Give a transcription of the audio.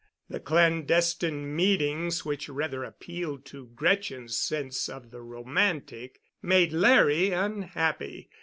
The clandestine meetings, which rather appealed to Gretchen's sense of the romantic, made Larry unhappy.